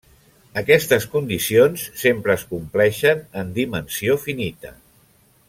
Aquestes condicions sempre es compleixen en dimensió finita.